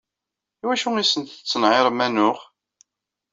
Iwacu i sen-tettenɛirem anuɣ?